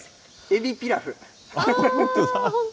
エビピラフ。